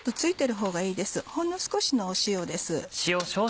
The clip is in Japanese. ほんの少しの塩です。